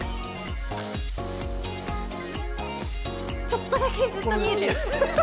ちょっとだけずっと見えてる。